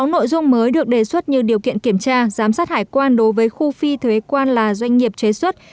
sáu nội dung mới được đề xuất như điều kiện kiểm tra giám sát hải quan đối với khu phi thuế quan là doanh nghiệp chế xuất